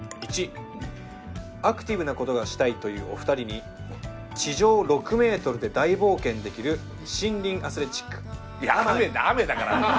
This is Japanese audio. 「１アクティブな事がしたいというお二人に地上６メートルで大冒険できる森林アスレチックあまぎ」